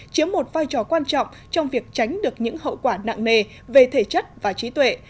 chiếm một vai trò quan trọng trong việc tránh được những hậu quả nặng nề về thể chất và trí tuệ